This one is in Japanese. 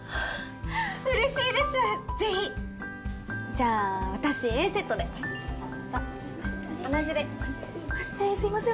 うれしいですぜひじゃあ私Ａセットではいどうぞ同じですいません